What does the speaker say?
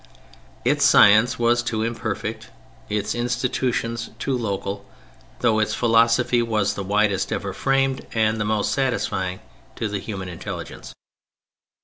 Its science was too imperfect, its institutions too local, though its philosophy was the widest ever framed and the most satisfying to the human intelligence.